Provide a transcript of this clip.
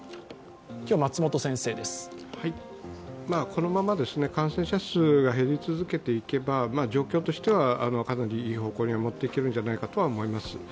このまま感染者数が減り続けていけば、状況としてはかなりいい方向には持っていけるのではないかと思います。